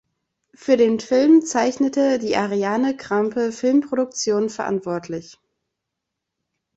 Für den Film zeichnete die Ariane Krampe Filmproduktion verantwortlich.